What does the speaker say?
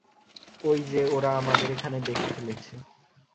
ওই যে, ওরা আমাদের এখানে দেখে ফেলেছে।